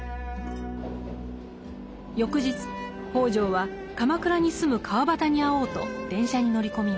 翌日北條は鎌倉に住む川端に会おうと電車に乗り込みます。